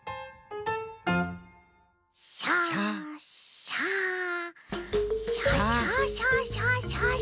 シャシャシャシャシャシャ。